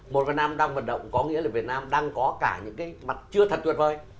một việt nam đang vận động có nghĩa là việt nam đang có cả những cái mặt chưa thật tuyệt vời